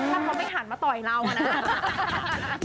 ถ้าเขาไม่หันมาต่อยเราอะนะ